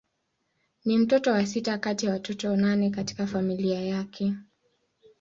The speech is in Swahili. Ni mtoto wa sita kati ya watoto nane katika familia yake.